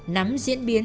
nắm diễn biến